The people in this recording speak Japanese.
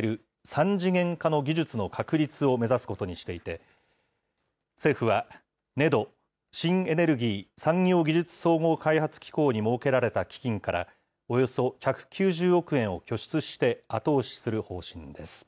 ３次元化の技術の確立を目指すことにしていて、政府は、ＮＥＤＯ・新エネルギー・産業技術総合開発機構に設けられた基金から、およそ１９０億円を拠出して後押しする方針です。